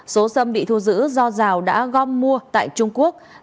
số xâm bị thu giữ do giào đã gom mua tại trung quốc